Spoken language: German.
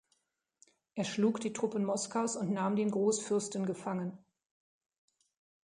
Er schlug die Truppen Moskaus und nahm den Großfürsten gefangen.